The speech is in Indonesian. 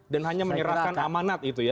dan hanya menyerahkan amanat itu ya